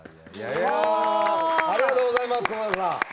ありがとうございます久保田さん。